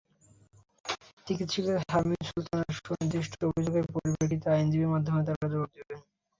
চিকিত্সক শারমিন সুলতানা সুনির্দিষ্ট অভিযোগের পরিপ্রেক্ষিতে আইনজীবীর মাধ্যমে তাঁর জবাব দেবেন।